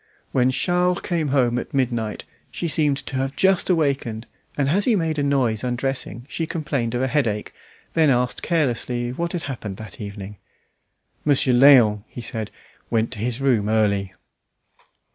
When Charles came home at midnight, she seemed to have just awakened, and as he made a noise undressing, she complained of a headache, then asked carelessly what had happened that evening. "Monsieur Léon," he said, "went to his room early."